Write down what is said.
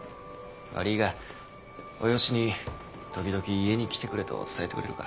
悪ぃがおよしに時々家に来てくれと伝えてくれるか。